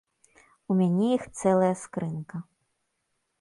У мяне іх цэлая скрынка.